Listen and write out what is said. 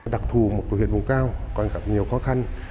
đặc thù một cuộc hiện vùng cao còn gặp nhiều khó khăn